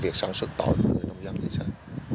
việc sản xuất tỏi của người nông dân lý sơn